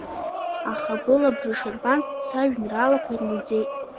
Аха былабжыш рбан, сажәеинраалақәа ирмуӡеит!